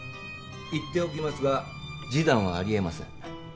言っておきますが示談はあり得ません。